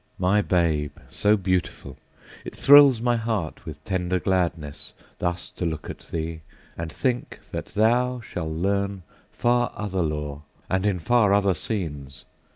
My babe so beautiful! it thrills my heart With tender gladness, thus to look at thee, And think that thou shalt learn far other lore, And in far other scenes!